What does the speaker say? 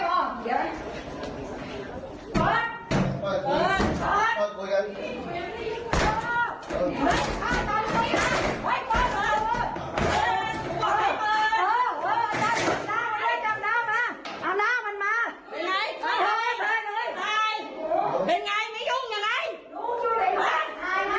ลองยาวร่วงท่องหายละและเกิดผู้หญิงที่มีเมือง